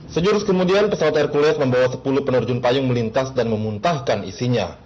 sejurus kemudian pesawat hercules membawa sepuluh penerjun payung melintas dan memuntahkan isinya